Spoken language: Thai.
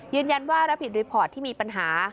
ยืนยันว่ารับผิดรีปอร์ตที่มีปัญหา